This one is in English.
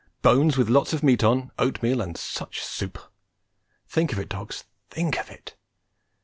Bones with lots of meat on, oatmeal and such soup! Think of it, dogs! think of it!